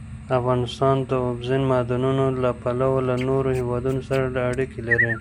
افغانستان د اوبزین معدنونه له پلوه له نورو هېوادونو سره اړیکې لري.